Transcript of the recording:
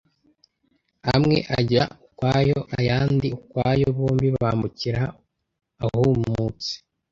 amwe ajya ukwayo, ayandi ukwayo, bombi bambukira ahumutse